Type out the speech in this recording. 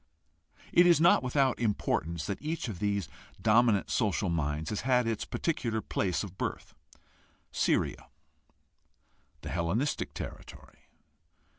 It is not without importance that each of these dominant social minds has had its particular place of birth. Syria, the Hellenistic territory.